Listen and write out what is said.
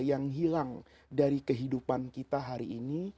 yang hilang dari kehidupan kita hari ini